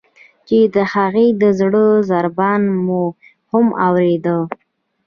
چې د هغې د زړه ضربان مو هم اوریده.